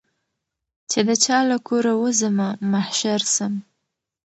چي د چا له کوره وزمه محشر سم